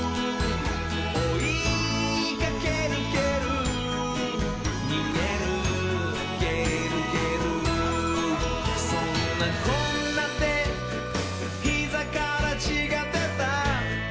「おいかけるけるにげるげるげる」「そんなこんなでひざからちがでた」